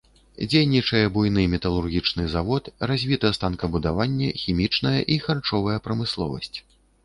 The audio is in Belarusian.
Дзейнічае буйны металургічны завод, развіта станкабудаванне, хімічная і харчовая прамысловасць.